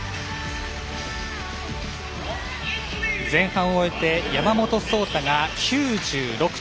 前半を終えて山本草太が９６．４９。